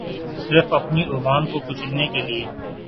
صرف اپنی عوام کو کچلنے کیلیے